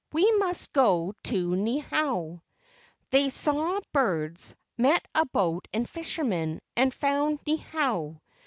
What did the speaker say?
We must go to Niihau." They saw birds, met a boat and fisherman, and found Niihau.